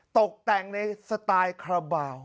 ตกแต่งในสไตล์คาราบาล